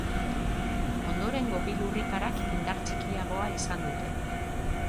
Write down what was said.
Ondorengo bi lurrikarak indar txikiagoa izan dute.